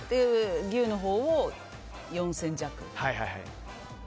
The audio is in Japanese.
牛のほうを４０００円弱。